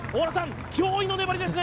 驚異の粘りですね。